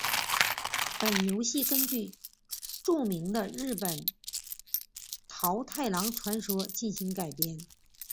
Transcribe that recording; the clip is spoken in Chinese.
本游戏根据著名的日本桃太郎传说进行改编。